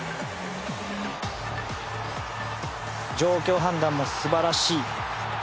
状況判断も素晴らしい。